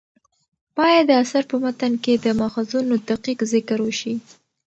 باید د اثر په متن کې د ماخذونو دقیق ذکر وشي.